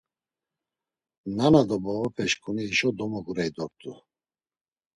Nana do babapeşǩunik hişo domogurey dort̆u.